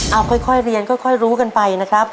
เอาค่อยเรียนค่อยรู้กันไปนะครับ